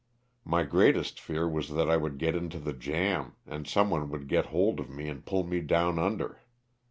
My greatest fear was that I would get into the jam and someone would get hold of me and pull me down under.